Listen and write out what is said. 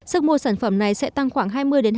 sức mua sản phẩm này sẽ tăng khoảng hai mươi hai mươi